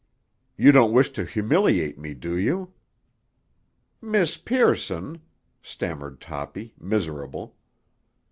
You don't wish to humiliate me, do you?" "Miss Pearson!" stammered Toppy, miserable.